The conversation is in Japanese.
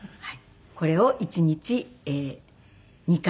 これを１日２回。